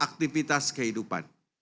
seluruh aktivitas kehidupan